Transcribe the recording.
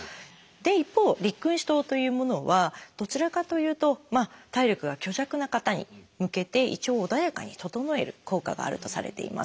一方「六君子湯」というものはどちらかというと体力が虚弱な方に向けて胃腸を穏やかに整える効果があるとされています。